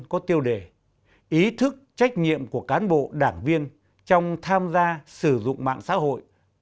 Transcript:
có tiêu đề ý thức trách nhiệm của cán bộ đảng viên trong tham gia sử dụng mạng xã hội